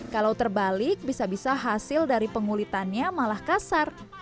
kalau terbalik bisa bisa hasil dari pengulitannya malah kasar